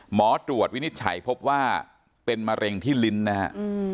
หมอตรวจวินิจฉัยพบว่าเป็นมะเร็งที่ลิ้นนะฮะ